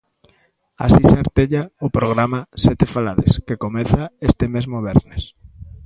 Así se artella o programa "Sete falares" que comeza este mesmo venres.